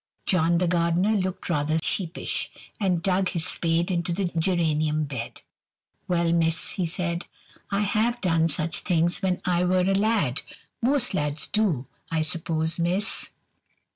John, the gardener, looked rather sheepish, and dug his spade into the geranium bed. "Well, miss," he said, "I have done such things when I were a lad. Most lads do, I suppose, miss."